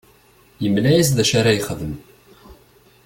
Yemla-as d acu ara yexdem.